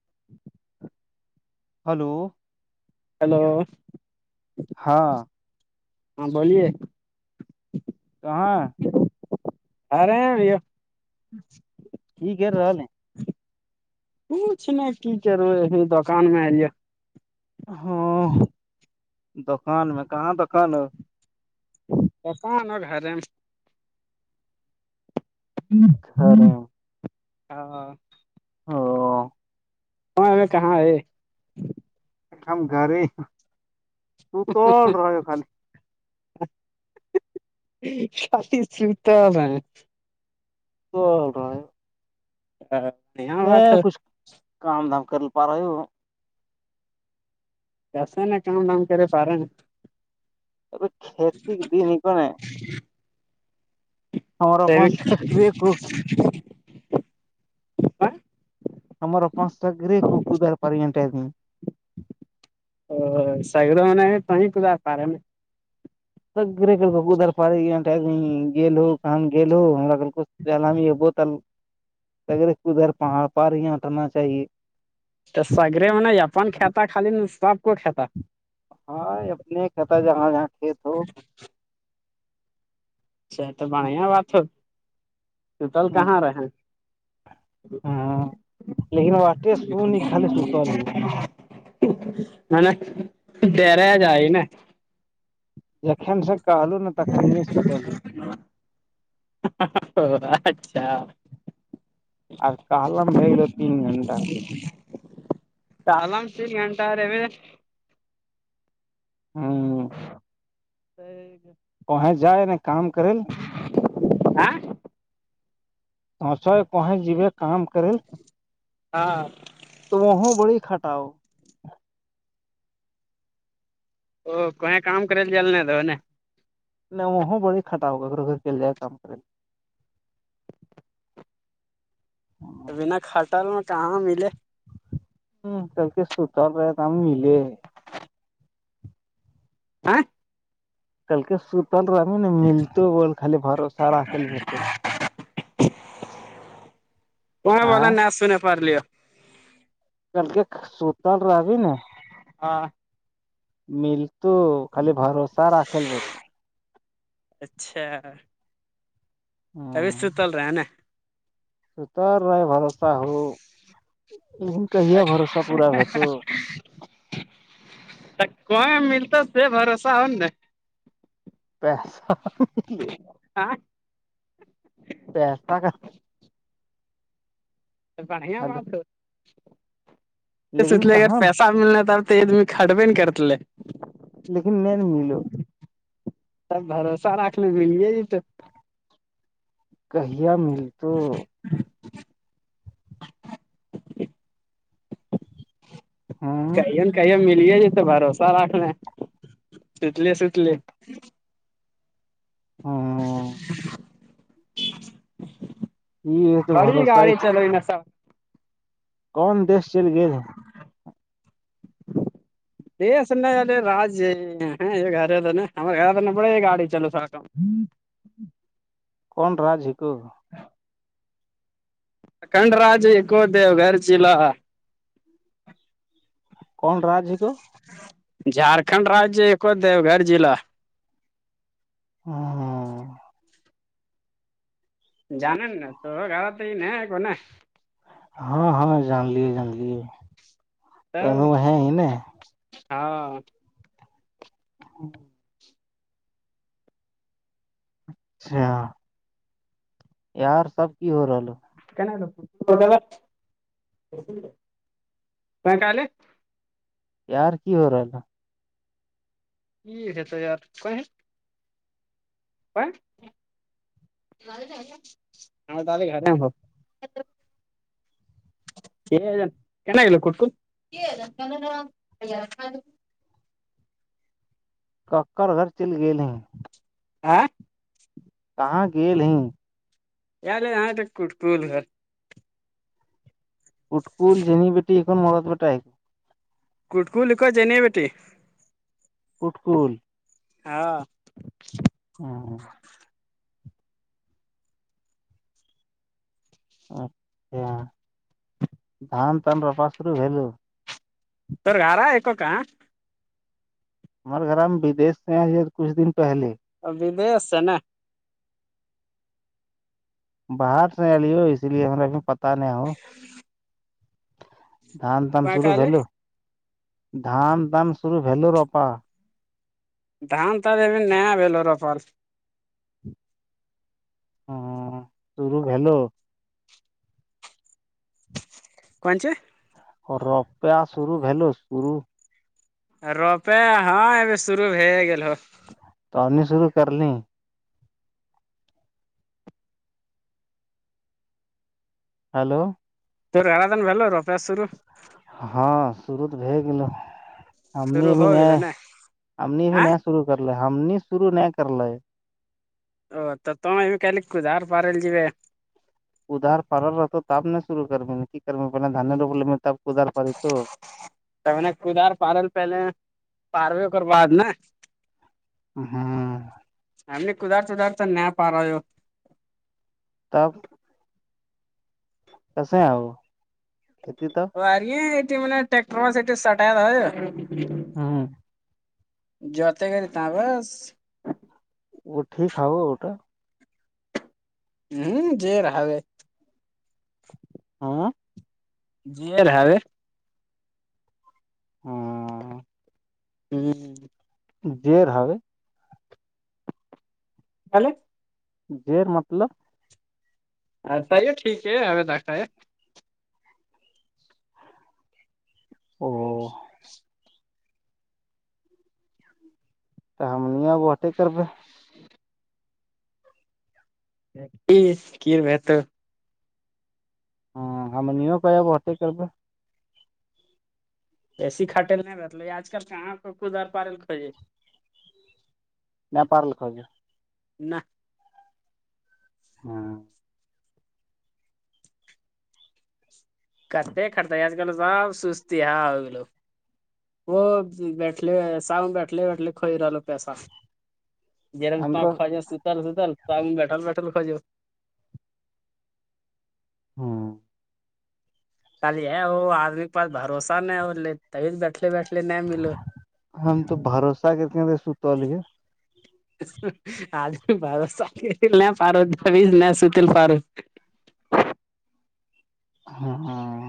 [unintelligible] hello hello ہاں ہاں بولیے کہاں ارے بو ٹھیک ہے رہا ہیں کوچھنے کی کرے ا دکان میں آے ہاں دکان میں کہاں دکان ہے توپان ہو گھر میں گھر ہاں او وہاں ہمیں کہاں ہے ایک کم گھری ستول رہو خالی شادی سلتا [unintelligible] ہاں نہیں میں کچھ کام دھام کر ل پا رہا ہ کیسے نا کام وام کرے پا رہے ہیں ا کتی دین کونے ہمم آ پچ سکری کوک ہممر پانچ سا گرے کوکودار پٹ ا سڑ ہونے ہے تویں کد آ پ رہے میں سگرے کل بک ادر پار ہو کہم گ ہو یہ بوتل اگر کدھر پار پاریاٹرنا چاہیے تو سگرے میں نہیں اپن کھتا خالی سب کو کھتا ہاں اپنے کہ تھا جہاں جہاں کھیت ہو اچھا تو بڑھیا بات ہو ستل کہاں رہے [unintelligible] م نے ڈر جئی ن جخن سے کہلو نا تخنیے ستلی اچھا اور کالم بھی گو تین گھٹہ سالام سے گنٹ رے م ہوں [unintelligible] کویں جائے ن کام کرےل [unintelligible] توچو کو ہیں جیے کام ہاں تو وہ بڑی خٹاؤ ا کہیں کام کرے ل جائےلے ن رہ ہو نے نہ وہ بڑے کٹا ہوا گ گھر کےل جائے کام کرے ل ہاں بنا ہٹل میں کہاں ملے ہ کل کے ستر رہے تو ہم ملے آ کلک سپ ر ن ملت وہ خال بھرو سارال بتو وہ بت ن سونے پارل کل کے سوتل رابی نا ہاں ملت خال بھروسہ را کےل بو اچھا سوس ستلرا آ نا ست رہے بھروسہ ہو لیکن کہہیا بھروسہ پورا ہو تو کون ملتا سے بھروسہ ہوا [unintelligible] ہا کیا ہلو بڑھیاپ سچ لیکن ا کہاں پیسہ بھی ملنا تھا تھ تم خٹبین کرتا ل لیکن نہیں ملو سب بھروسہ رکھنے ملے ج تو کہیا مل تو [unintelligible] ہوں کیے ن کہیے ملے جتے بھروسہ رکھنا ستلیے ست لی ہاںاں یہ تو بڑی بھروسہ ہی گاڑی چل رہی ن سب کون دیش چل گ [unintelligible] یہ س ن را ہے یہ گھر دنے ہم گھر دنے پڑ یہ گاڑی چلو سکم کون راج ہے کوو ا کنڈ رج کوو دیو گھر چیلا کون راج ہے کو جھارکھنڈ رجیہ ایک دیوگڑ جضع ہاں جین نا تو گاڑاات ہی ن کون ہاں ہاں جان لیے جان لیے ا تو ہے ہی نا ہاں [unintelligible] اچھا ار سب کی ہو رہ ہو [unintelligible] یار کی ہو رہا ہے ٹھیک ہے تو یار کوئی [unintelligible] [unintelligible] چینگل کٹک کککر گھر چل گئے ہیں آ کہاں گیل نہیں [unintelligible] اٹکول جیننی بیٹی ان مغد بیٹا ہے کٹ کو ل کو ج نہیں بیٹے اٹکول ہاں ہاں ہاں اچھا دان تان بپا شرو ہےو پارا آکو کاا ہمارے گھر ہم بدی سے ہیں کچھ دن پہلے ودیس سے نا باہر سے آی ہو اس لیے ہمیں بھی پتا نہ ہو [unintelligible] دھان تان شروعو دھان تان شروو روپا دھان ت اب نیا ہے روپر ہاں ہاں تو رو بلو کون سےی روپیہ سرو بلو سرو روپے ہاں اب شرو ہو گ ہو تو آنی شرو کر لیں ہلو توور گاراادن بولور ابسر ہاں شروع تو بھی گو ا ا بھی نہیں ا بھی نہیں شرو کرلے ہمنی شرو نہیں کرلے او توم ا بھی کلے کدار پہارل جیے ادھار پڑل رہ تو تب نہیں شرو کر کی کر پہلے دانے روپ ل تب ادھار پڑ تو تو میں نے کدار پارل پہلے پاروےر بعد نا ہاں ہم نے کدار تودار تو نہ پا رہا ہو تب کیسے ہیں آ وہ کھیتی تو اری یہ م میں ٹیکٹر بس سٹایا تھا ہاں جتے کر تھا بس وہ ٹھیک ہے وہ وہٹا ہوں ج رہاو ہے ہاں جیر ہے ہاں ہوں دیر ہو الے جیر مطلب اھائیے ٹھیک ہے ا دھا ہے او تو ہم نہیںگ ہٹیک کربے [unintelligible] کی بت ہاں ہم نہیں کا ب ہوتے کرب ایسی کٹےل نہیں بٹلے آج کل کہ کو کوود آر پارل کوجیے نپار لکھے [unintelligible] ہاں کتےتے کھتا آج کل سب سستی ہاں ہوگو وہ بیٹھل ساام میں بیٹھلے بیٹھل کوئی رہو پیسہ جیا تم خج ج ستل ستل تو آ ب بیٹال بیٹا خج جا ہاں کل یہ وہ آدمی کے پاس بھروسہ نہیں ہو رہے تبھی بیٹھلے بیٹھلے نہیں ملو ہم تو بھروسہ کرتےے سو تو لی ہے آج بھی بارا سل ن فاروت دز ن ستی فاروک ہاں ہاں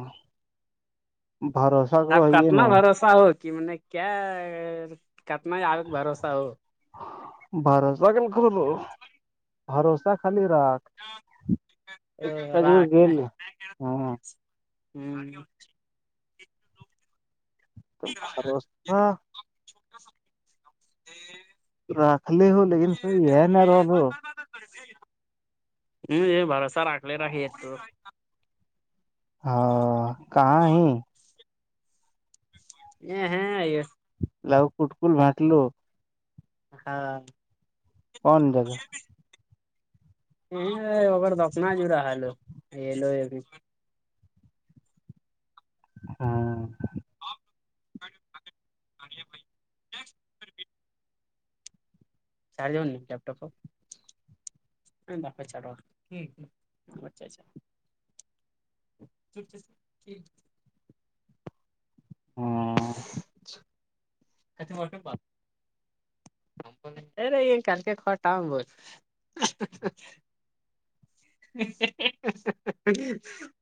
بارت آب کتنا بھروسہ ہو کہ م نے کیا کتنا آپ بھروسہ ہو بھروس لغل گولو بھروسہ خالی رااک ایکٹ جور گل ہاں ہوں تو بھروسہ [unintelligible] رکھ لی ہو لیکن سر یہ نہ رولو ہ یہ بھرسا رکھلی را ہی تو ہاں کہاں ہی یہ ہاں آ لاگ کٹ کل بھٹ لو ہاں کون جگہ ا اگر دفنا جو رہا ح لو یہ لو بھی ہاں آپ بھائی چارجن نہیں ل لیپٹپپ د پ چاٹوا اچھا اچھا ا جٹھیک ہاں [unintelligible] کھی مٹ بات رے یہن کل کے کٹاؤ بت [unintelligible]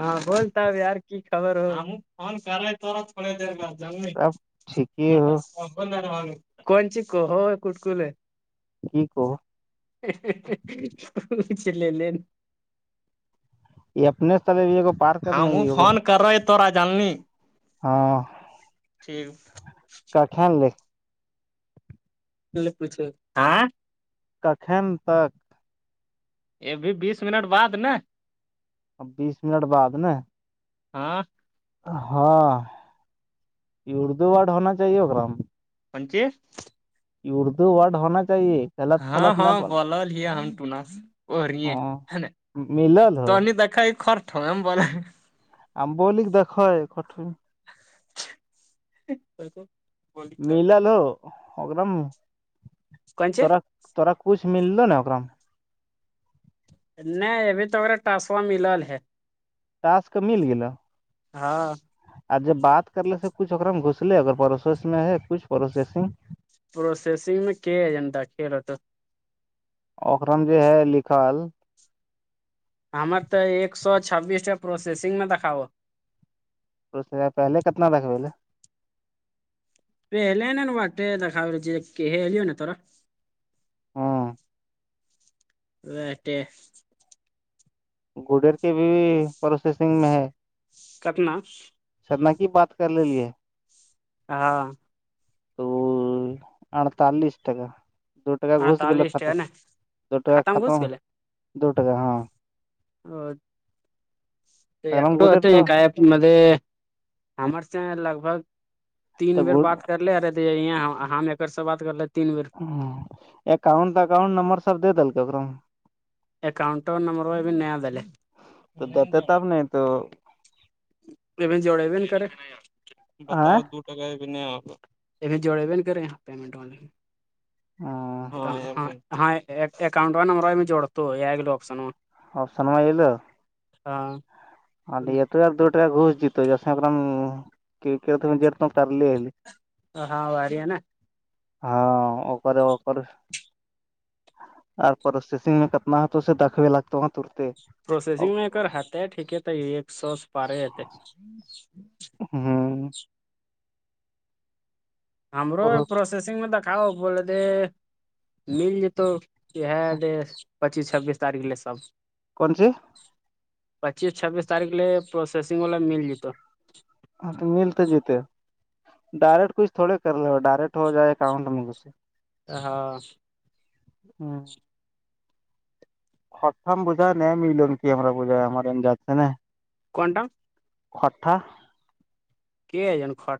ہاں بولتاب یار کی خبر ہو ہم ف کر رہے تھور تھڑے د گا اب ٹھیک ہی ہو کون چ کو ہو کٹ کلے ج کوو چ لے لےین یہ اپنے سےلب یہ کو پار ہم کرنے ہی ہوگ فون کر رہے تورا جانلی ہاں ٹھیک کا خھیل لے پوچھے ہاں کخن تک یہ بھیھی بیس منٹ بعد نا ا بیس منٹ بعد ن ہاں ہاں اردو ورڈ ہونا چاہیے اکا میں پنچی اردو ورڈ ہونا چاہیے غلط ہاں غلط نہ ہاں بولنا بول ہی ہم پٹناس وہ رہی ہے ہاں ہے نا ملل ہو تو نہیں دیکھا خرٹ ہوم بول امبولک دھو کٹون بال کو ملا لو ا دم کونچ تورا تورا کچھ مللو نا اام میں نہیں ابھی تو اا ٹاسوا ملل ہے تاس کا مل گ ہاں آ جوب بات کرلے سے کچھ اا گھسلے اگر پروس میں ہے کچھ پروسسنگ پروسسنگ میں کیا ہے ج کھیلو تو اکرم جو ہے لکھل ہمر تو ایک سو چھبیس ٹ پروسیسگ میں دکھاو پ پہلے کتنا دکھوی لے پہل ناٹے د خا ج ل ہو ن ترا وٹے گوڈر کے بھی پروسیسنگ میں ہے کتنا سرنا کی بات کر لی ہے ہاں اڑتالیس ٹکا دو ٹکا گھس گو ختم دو ٹکا ختم دو ٹکا ہاں ا ا کررو تو ک [unintelligible] ہم ایکر سے بات کر رہے تین بیر ہ اکاؤنٹ اکاؤنٹ نمبر سب دے دلک اا میں [unintelligible] ا بھی جوڑ ا بھی نہیں کرے بتاؤ د جوڑے بھی کریں پٹ ہ ہاں ہاں ااؤنٹ والا نمبر ہے میں جوڑتا تو یہ گگلے آپشن وہ آپشن میںلو ہاں ااںے یہ توار دو ٹا گھس جت جسے ا ت کرلیے ہاں و رہ ہے نا ہاں اور پروسیسنگ میں کتنا ہے تو اسے دکھوے لگتے ہیں ترتے [unintelligible] ہاں ہمرو پروسسگ میں د کا ہو بولے تھ مل جاتا یہ ہے پچیس چھبیس تاریخ لے سب کون سی پچیس چھبیس تاریخ لیے پروسیسنگ والا مل جتا ہاں تو ملتے جتے ڈائریکٹ کچھ تھوڑے کر لو ڈائریکٹ ہو جائے اکاؤنٹ میں کھ سے ہاں ہاں [unintelligible] [unintelligible] [unintelligible] [unintelligible]